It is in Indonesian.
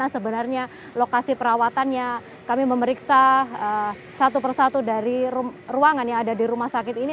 sebenarnya lokasi perawatannya kami memeriksa satu persatu dari ruangan yang ada di rumah sakit ini